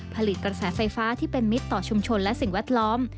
ผลิตกระแสไฟฟ้าที่เป็นมิตรต่อชุมชนและสิ่งแวดล้อม